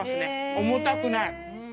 重たくない。